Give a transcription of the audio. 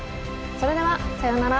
それではさようなら。